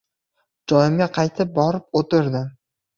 Joyimga qaytib borib o‘tirdim.